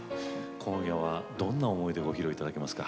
今夜はどんな思いでご披露いただけますか？